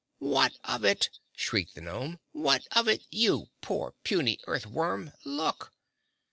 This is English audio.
"What of it?" shrieked the gnome. "What of it, you poor, puny earth worm! Look!"